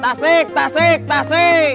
tasik tasik tasik